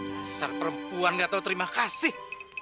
dasar perempuan gak tau terima kasih